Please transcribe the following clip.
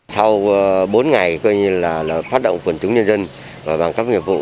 sau bốn ngày coi như là phát động quần chúng nhân dân và bằng các nghiệp vụ